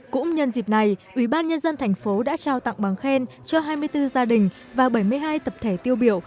cũng nhân dịp này ủy ban nhân dân thành phố đã trao tặng bằng khen cho hai mươi bốn gia đình và bảy mươi hai tập thể tiêu biểu